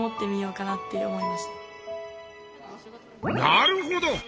なるほど！